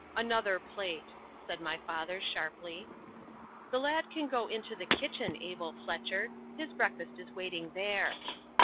"Another plate," said my father, sharply. "The lad can go into the kitchen, Abel Fletcher: his breakfast is waiting there."